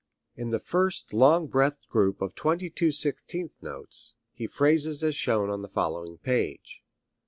In the first long breathed group of twenty two sixteenth notes he phrases as shown on the following page.